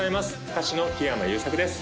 歌手の木山裕策です